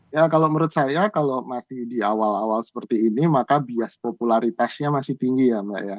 ya kalau menurut saya kalau masih di awal awal seperti ini maka bias popularitasnya masih tinggi ya mbak ya